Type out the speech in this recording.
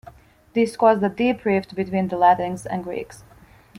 This caused a deep rift between the Latins and Greeks.